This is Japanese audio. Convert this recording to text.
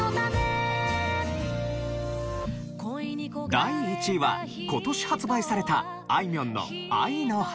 第１位は今年発売されたあいみょんの『愛の花』。